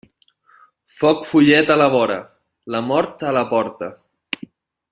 Foc follet a la vora, la mort a la porta.